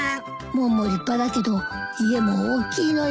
門も立派だけど家も大きいのよ。